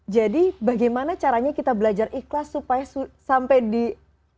jadi bagaimana caranya kita belajar ikhlas supaya sampai di tahap